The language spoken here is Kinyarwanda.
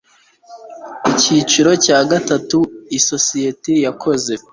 icyiciro cya gatatu isosiyete yakoze